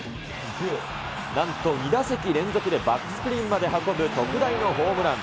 なんと２打席連続でバックスクリーンまで運ぶ特大のホームラン。